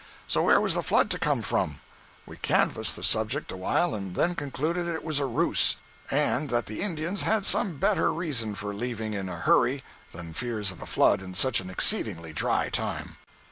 So, where was the flood to come from? We canvassed the subject awhile and then concluded it was a ruse, and that the Indians had some better reason for leaving in a hurry than fears of a flood in such an exceedingly dry time.